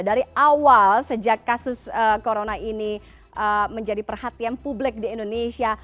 dari awal sejak kasus corona ini menjadi perhatian publik di indonesia